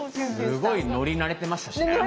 すごい乗り慣れてましたしね。